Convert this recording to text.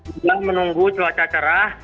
dengan menunggu cuaca cerah